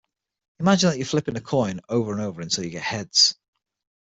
Imagine that you are flipping a coin over and over until you get heads.